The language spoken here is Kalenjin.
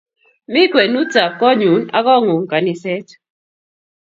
Mi kwenut ap konyun ak kong'ung' kaniset.